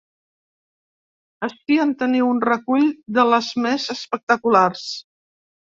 Ací en teniu un recull de les més espectaculars.